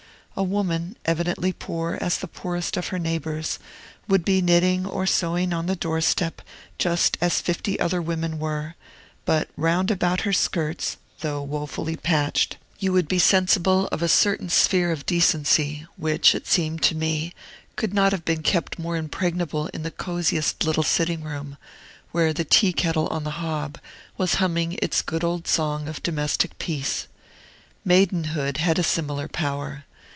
A woman, evidently poor as the poorest of her neighbors, would be knitting or sewing on the doorstep, just as fifty other women were; but round about her skirts (though wofully patched) you would be sensible of a certain sphere of decency, which, it seemed to me, could not have been kept more impregnable in the cosiest little sitting room, where the tea kettle on the hob was humming its good old song of domestic peace. Maidenhood had a similar power.